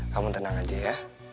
kamu tenang aja ya